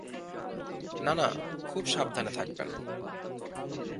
না না, খুব সাবধান থাকবেন।